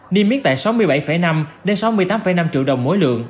niêm mít tại thị trường hà nội ở mức từ sáu mươi bảy năm đến sáu mươi tám năm triệu đồng mỗi lượng